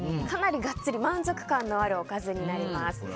かなりガッツリ満足感のあるおかずになります。